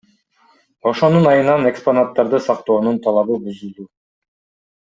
Ошонун айынан экспонаттарды сактоонун талабыбузулду.